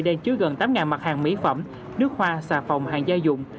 đang chứa gần tám mặt hàng mỹ phẩm nước hoa xà phòng hàng gia dụng